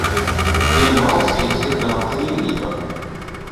Viņa balsī dzirdama klīrība.